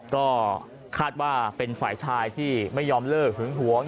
ก็คาดว่าเป็นฝ่ายชายที่ไม่ยอมเลิกหึงหวง